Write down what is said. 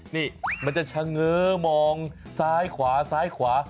นี่มันจะชะเงิร์มองซ้ายขวา